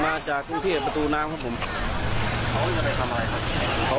มาจากกรุงเทพประตูน้ำครับผมเขาจะไปทำอะไรครับ